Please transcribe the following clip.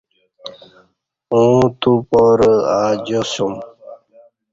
اوں تو پارہ اجیاسوم